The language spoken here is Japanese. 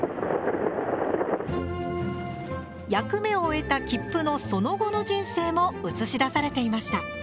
役目を終えた切符のその後の人生も映し出されていました。